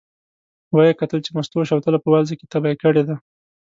و یې کتل چې مستو شوتله په وازده کې تبی کړې ده.